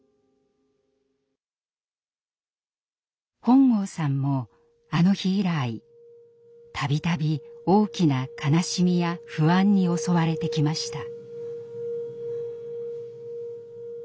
本郷さんもあの日以来度々大きな悲しみや不安に襲われてきました。